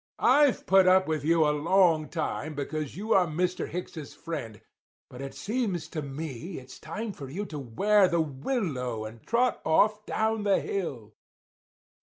I've put up with you a long time because you was Mr. Hicks's friend; but it seems to me it's time for you to wear the willow and trot off down the hill.